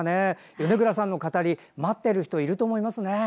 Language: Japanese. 米倉さんの語り待ってる人いると思いますね。